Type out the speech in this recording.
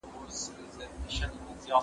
زه هره ورځ ليک لولم!!